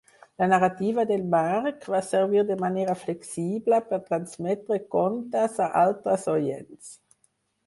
La narrativa del marc va servir de manera flexible per transmetre contes a altres oients.